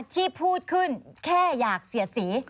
ที่พูดขึ้นแค่อยากเสียสี